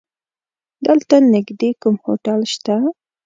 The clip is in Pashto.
دلته نيږدې کوم هوټل شته؟